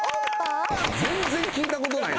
全然聞いたことない。